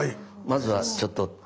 まずはちょっと。